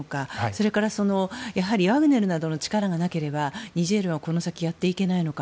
それからワグネルなどの力がなければニジェールはこの先やっていけないのか。